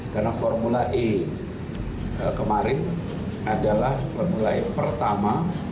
karena formula e kemarin adalah formula e pertama